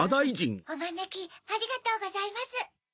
おまねきありがとうございます。